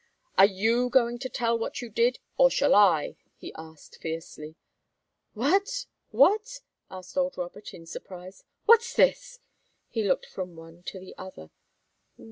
"Are you going to tell what you did, or shall I?" he asked, fiercely. "What? What?" asked old Robert, in surprise. "What's this?" He looked from one to the other.